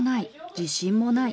自信もない。